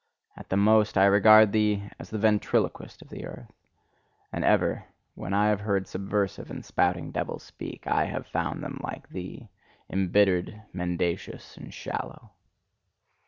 At the most, I regard thee as the ventriloquist of the earth: and ever, when I have heard subversive and spouting devils speak, I have found them like thee: embittered, mendacious, and shallow.